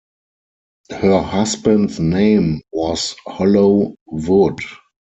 Her husband's name was Hollow Wood.